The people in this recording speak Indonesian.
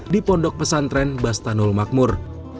di pondok pesantren bastanul makmur